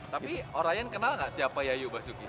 tapi orien kenal nggak siapa yayu basuki